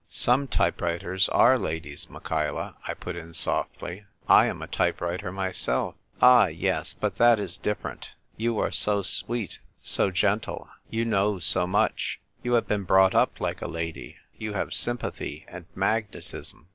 "Some type writers are ladies, Michaela," I put in softly. "I am a type writer myself." "Ah ! yes, but that is different ! you are so "WHEREFORE ART THOU ROMEO?" 237 sweet, so gentle. You know so much ; you have been brought up like a lady; you have sympathy and magnetism.